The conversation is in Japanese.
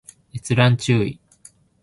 閲覧注意